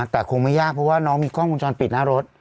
แต่คงไม่ยากเพราะว่าน้องมีกล้องวงจรปิดหน้ารถ